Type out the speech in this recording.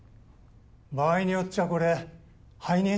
場合によっちゃこれ背任？